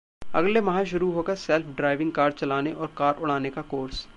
अगले माह शुरू होगा सेल्फ ड्राइविंग कार चलाने और कार उड़ाने का कोर्स